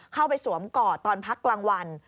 เข้าไปสวมก่อตอนพักกลางวัน